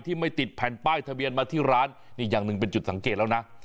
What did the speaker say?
ไม่ติดแผ่นป้ายทะเบียนมาที่ร้านนี่อย่างหนึ่งเป็นจุดสังเกตแล้วนะ